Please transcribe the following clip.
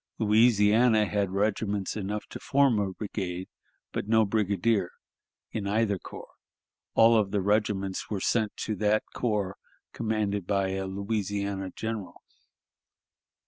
Louisiana had regiments enough to form a brigade, but no brigadier in either corps; all of the regiments were sent to that corps commanded by a Louisiana general.